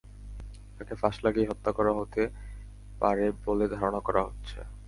তাঁকে ফাঁস লাগিয়ে হত্যা করা হতে পারে বলে ধারণা করা হচ্ছে।